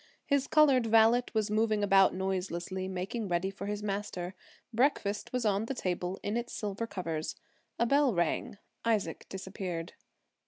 His colored valet was moving about noiselessly, making ready for his master. Breakfast was on the table in its silver covers. A bell rang; Isaac disappeared.